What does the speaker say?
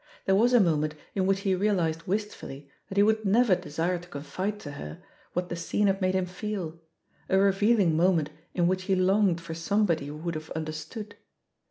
There was a moment in which he realised wistfully that he would never desire to confide to her what the scene had made him feel, a revealing moment in which he longed for some body who would have understood.